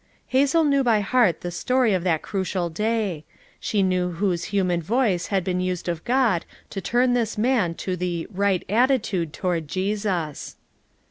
Hazel knew by heart the story of that crucial day; she knew whose human voice had been used of God to turn this man to the " right at titude toward Jesus."